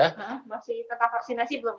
masih tetap vaksinasi belum